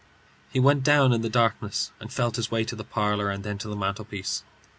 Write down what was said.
He went down in the darkness, and felt his way to the parlour, and then to the mantelpiece.